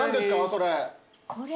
それ。